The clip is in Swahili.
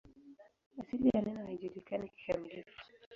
Asili ya neno haijulikani kikamilifu.